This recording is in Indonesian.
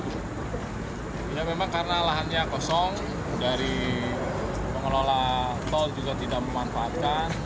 bila memang karena lahannya kosong dari pengelola tol juga tidak memanfaatkan